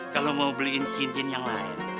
kalau mau beliin cincin yang lain